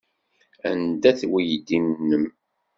Anda-t weydi-nnem?